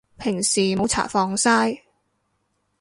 平時冇搽防曬